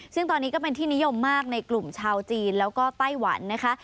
ซึ่งตอนนี้ก็เป็นที่นิยมมากในกลุ่มชาวจีนแล้วก็ไต้หวันนะคะ